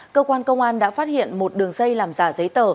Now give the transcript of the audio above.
cơ quan công an đã phát hiện một đường dây làm giả giấy tờ